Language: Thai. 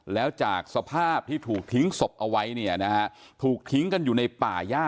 แล้วจากสภาพที่ถูกทิ้งศพเอาไว้เนี่ยนะฮะถูกทิ้งกันอยู่ในป่าย่า